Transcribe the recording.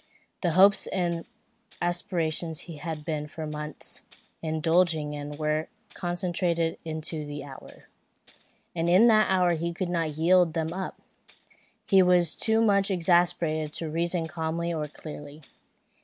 The hopes and aspirations he had been for months indulging in were concentrated into the hour; and in that hour he could not yield them up. He was too much exasperated to reason calmly or clearly.